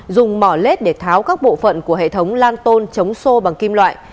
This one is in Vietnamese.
dùng mỏ lết để tháo các bộ phận của hệ thống lan tôn chống sô bằng kim loại